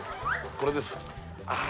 これです